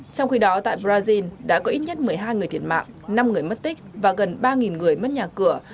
trong khi đó tại brazil đã có ít nhất một mươi hai người thiệt mạng năm người mất tích và gần ba người mất nhà cửa